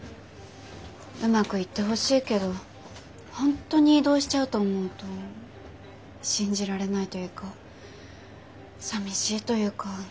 うまくいってほしいけど本当に異動しちゃうと思うと信じられないというかさみしいというか。